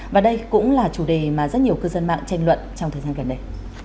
và đây cũng là chủ đề mà rất nhiều cư dân mạng tranh luận trong thời gian gần đây